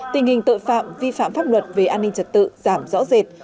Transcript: tình hình tội phạm vi phạm pháp luật về an ninh trật tự giảm rõ rệt